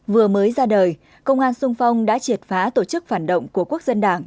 vừa mới ra đời công an sung phong đã triệt phá tổ chức phản động của quốc dân đảng